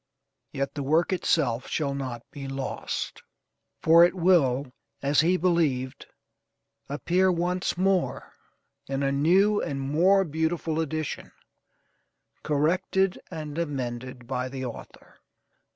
Yet the work itself shall not be lost. For it will, as he believed, appear once more, in a new and more beautiful edition, corrected and amended by the Author.